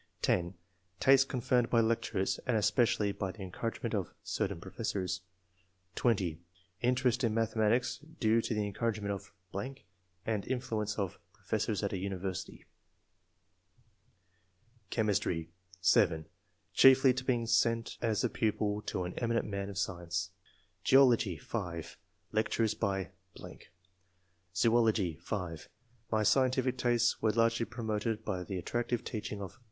(10) Tastes con firmed by lectures, and especially by the encouragement of [certain professors]. (20) Interest in mathematics due to the encourage lent of ...., and influence of [professors III.] ORIGIN OF TASTE FOR SCIENCE. 217 Chemistry. ^.^^{7) Chiefly to being sent as a pupil to an eminent man of science. . Geology. — (5) Lectures by .... Zoology. — (5) My scientific tastes were largely promoted by the attractive teaching of